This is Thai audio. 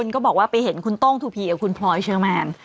กับคุณพลอยเชิงมัน